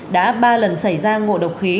đã ba lần xảy ra ngộ độc khí